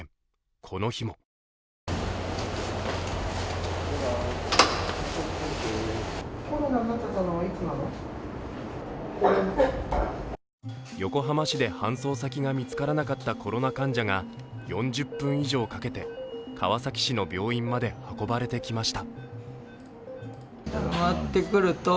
この日も横浜市で搬送先が見つからなかったコロナ患者が４０分以上かけて川崎市の病院まで運ばれてきました。